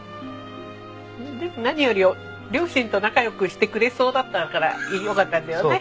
何より両親と仲良くしてくれそうだったからよかったんだよね。